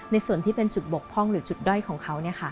ส่วนที่เป็นจุดบกพร่องหรือจุดด้อยของเขา